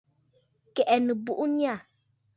Kɛ̀ʼɛ nɨbuʼu nyâ.